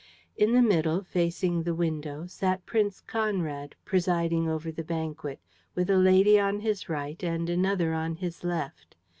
In the middle, facing the window, sat Prince Conrad, presiding over the banquet, with a lady on his right and another on his left.